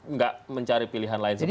nggak mencari pilihan lain seperti ini